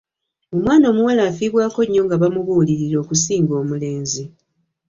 Omwana omuwala affibwako nnyo nga bamubulirira okusinga omulenzi.